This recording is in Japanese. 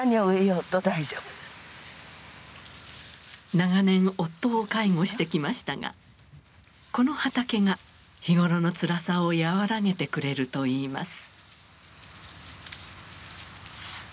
長年夫を介護してきましたがこの畑が日頃のつらさを和らげてくれると言います。